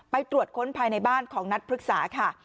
ตรวจค้นภายในบ้านของนัทพฤกษาค่ะ